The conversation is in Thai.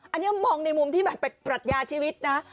อันนี้มองในมุมที่แบบเป็นปรัชญาชีวิตนะ